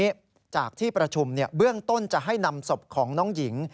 วันนี้จากที่ประชุมเบื้องต้นจะให้นำศพของน้องหญิง